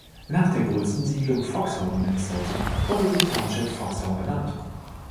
Nach der größten Siedlung, Foxhome, Minnesota, wurde die Township Foxhome benannt.